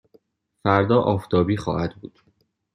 فردا آفتابی خواهد بود.